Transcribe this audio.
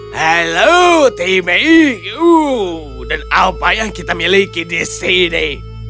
halo timegu dan apa yang kita miliki di sini